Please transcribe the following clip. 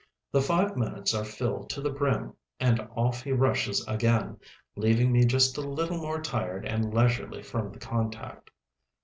The five minutes are filled to the brim and off he rushes again, leaving me just a little more tired and leisurely from the contact.